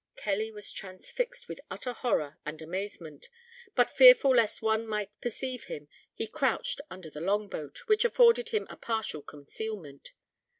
Kelly was transfixed with utter horror and amazement; but fearful lest some one might perceive him, he crouched under the long boat, which afforded him a partial concealment.